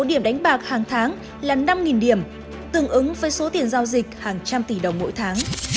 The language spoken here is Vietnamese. điểm đánh bạc hàng tháng là năm điểm tương ứng với số tiền giao dịch hàng trăm tỷ đồng mỗi tháng